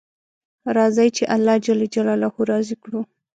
راځئ چې الله جل جلاله راضي کړو